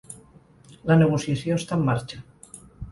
La negociació està en marxa.